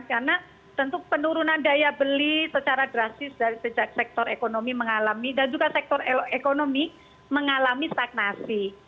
karena tentu penurunan daya beli secara drastis dari sejak sektor ekonomi mengalami dan juga sektor ekonomi mengalami stagnasi